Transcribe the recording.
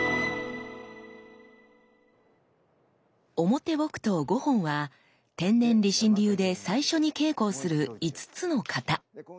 表木刀五本は天然理心流で最初に稽古をする５つの形。